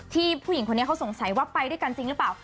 ผู้หญิงคนนี้เขาสงสัยว่าไปด้วยกันจริงหรือเปล่า